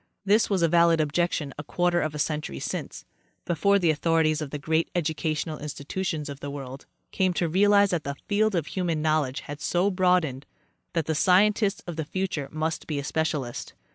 This was a valid objection a quarter of a century since, before the au ' thorities of the great educational institutions of the world came to realize that the field of human knowledge had so broadened that the scientist of the future must be a specialist.